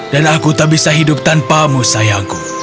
dan aku tak bisa hidup tanpamu sayangku